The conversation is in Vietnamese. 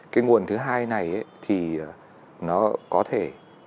cái nguồn thứ hai này thì nó có thể